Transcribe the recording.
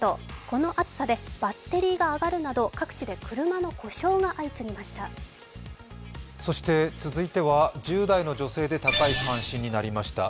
この暑さでバッテリーが上がるなど各地で車の故障が相次ぎました。